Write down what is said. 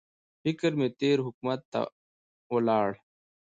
فکر مې تېر حکومت ته ولاړی.